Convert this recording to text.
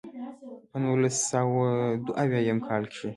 پۀ نولس سوه دوه اويا يم کال کښې